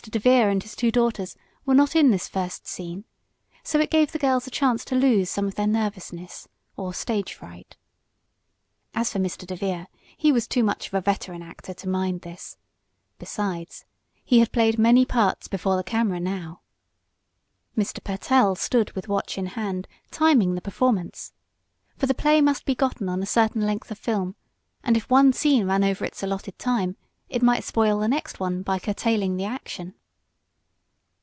DeVere and his two daughters were not in this first scene, so it gave the girls a chance to lose some of their nervousness or "stage fright." As for Mr. DeVere, he was too much of a veteran actor to mind this. Besides, he had played many parts before the camera now. Mr. Pertell stood with watch in hand, timing the performance. For the play must be gotten on a certain length of film, and if one scene ran over its allotted time it might spoil the next one by curtailing the action.